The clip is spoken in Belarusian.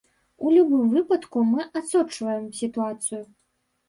У любым выпадку, мы адсочваем сітуацыю.